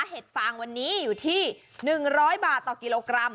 เห็ดฟางวันนี้อยู่ที่๑๐๐บาทต่อกิโลกรัม